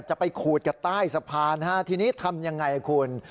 จะไปขูดกับใต้สะพานฮะทีนี้ทำอย่างไรคุณ